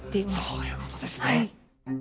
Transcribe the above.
そういうことですね。